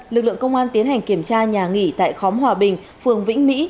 lực lượng công an tiến hành kiểm tra nhà nghỉ tại khóm hòa bình phường vĩnh mỹ